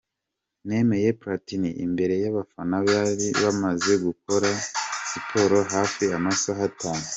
Nemeye Platini imbere y'abafana bari bamaze gukora siporo hafi amasaha atanu.